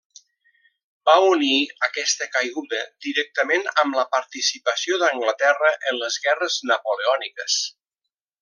Va unir aquesta caiguda directament amb la participació d'Anglaterra en les guerres napoleòniques.